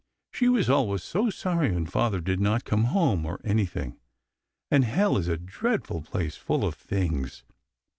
She was always so sorry when father did not come home or anything. And hell is a dreadful place, full of things.